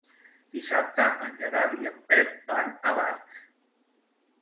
Dissabte en Gerard i en Pep van a Barx.